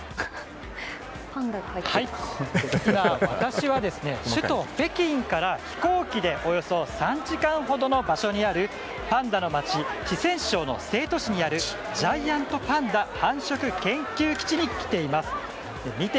今、私は首都・北京から飛行機でおよそ３時間ほどの場所にあるパンダの街四川省の成都市にあるジャイアントパンダ繁殖研究基地に来ています。